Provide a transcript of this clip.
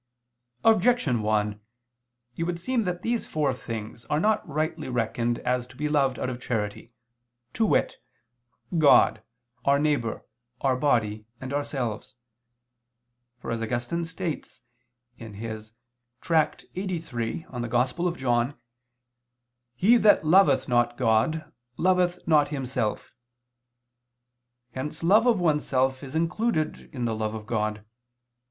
Objection 1: It would seem that these four things are not rightly reckoned as to be loved out of charity, to wit: God, our neighbor, our body, and ourselves. For, as Augustine states (Tract. super Joan. lxxxiii), "he that loveth not God, loveth not himself." Hence love of oneself is included in the love of God.